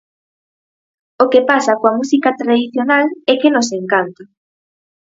O que pasa coa música tradicional é que nos encanta.